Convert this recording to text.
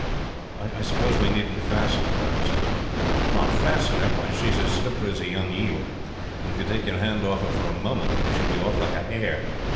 "I suppose we needn't fasten her?" Ralph said. "Not fasten her! Why, she is as slippery as a young eel, and if you take your hand off her for a moment she would be off like a hare.